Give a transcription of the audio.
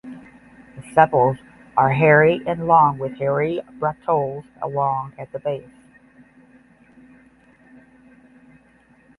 The sepals are hairy and long with hairy bracteoles long at the base.